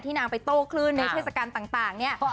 นางไปโต้คลื่นในเทศกาลต่างเนี่ย